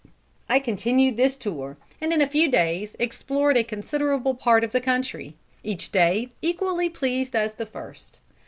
I continued this tour, and in a few days explored a considerable part of the country, each day equally pleased as the first.